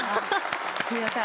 すいません。